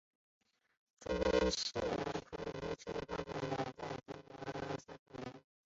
克鲁奇菲氏花粉发现在德国萨克森。